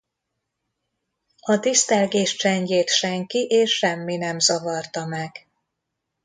A tisztelgés csendjét senki és semmi nem zavarta meg.